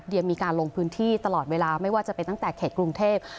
ยังมีการลงพื้นที่ตลอดเวลาไม่ว่าจะเป็นตั้งแต่เขตกรุงเทพ